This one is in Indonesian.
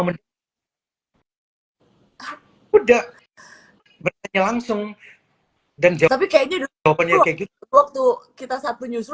udah bertanya langsung dan jawabannya kayak gitu waktu kita satu nyusur